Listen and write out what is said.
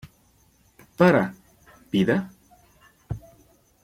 Para “¿Vida?